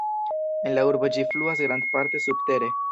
En la urbo ĝi fluas grandparte subtere.